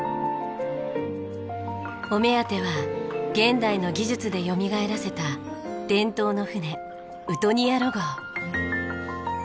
お目当ては現代の技術でよみがえらせた伝統の船ウトニヤロ号。